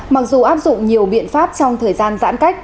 mặc dù áp dụng nhiều biện pháp trong thời gian giãn cách